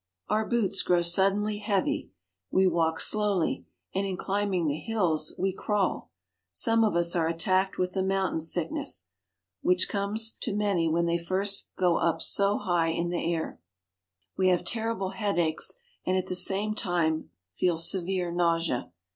Our boots grow suddenly heavy. We walk slowly, and in climbing the hills we crawl. Some of us are attacked with the mountain sickness, which comes to 72 PERU, Entrance to the Galera Tunnel. many when they first go so high up in the air. We have terrible headaches, and at the same time feel severe nausea.